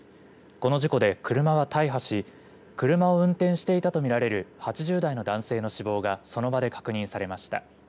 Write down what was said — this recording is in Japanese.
この事故で車は大破し車を運転していたとみられる８０代の男性の死亡がその場で確認されました。